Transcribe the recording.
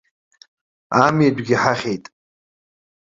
Амитәгьы ҳахьит!